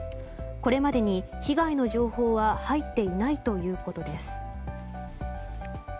これまでに被害の情報は入っていないということです。